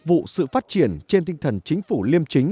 việt nam đã phát triển thành một cộng đồng modern